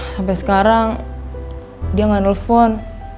sampai sekarang dia nggak nelfon